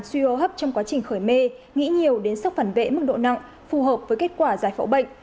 suy hô hấp trong quá trình khởi mê nghĩ nhiều đến sốc phản vệ mức độ nặng phù hợp với kết quả giải phẫu bệnh